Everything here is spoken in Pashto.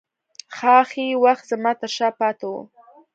ښايي وخت زما ترشا پاته و